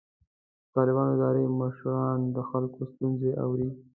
د طالبانو اداري مشران د خلکو ستونزې اوري.